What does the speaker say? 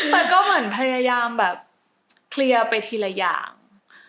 แต่ก็เหมือนพยายามแบบเคลียร์ไปทีละอย่าง